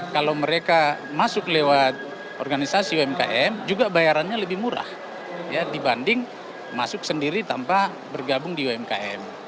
kalau mereka masuk lewat organisasi umkm juga bayarannya lebih murah dibanding masuk sendiri tanpa bergabung di umkm